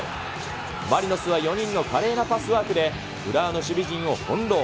マリノスは４人の華麗なパスワークで、浦和の守備陣を翻弄。